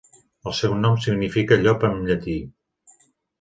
El seu nom significa llop en llatí.